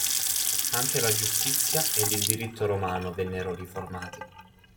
Anche la giustizia ed il diritto romano vennero riformati.